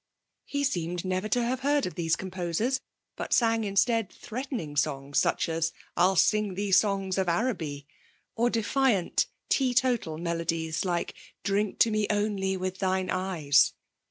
He seemed never to have heard of these composers, but sang instead threatening songs, such as, 'I'll sing thee Songs of Araby!' or defiant, teetotal melodies, like 'Drink to Me only with thine Eyes!'